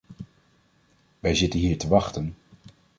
Wij zitten hier te wachten.